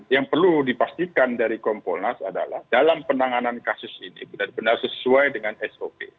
yang perlu dipastikan dari kompolnas adalah dalam penanganan kasus ini benar benar sesuai dengan sop